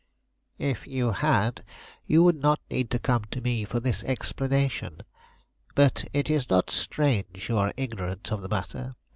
"If you had, you would not need to come to me for this explanation. But it is not strange you are ignorant of the matter.